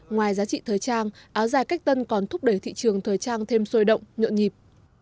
ngoài giá trị thời trang áo dài cách tân còn thúc đẩy thị trường thời trang thêm sôi động nhộn nhịp